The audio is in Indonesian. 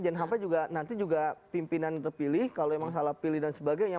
jn happ juga nanti juga pimpinan terpilih kalau memang salah pilih dan sebagainya